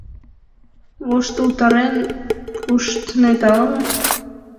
Воштылтарен пуштнет ала-мо...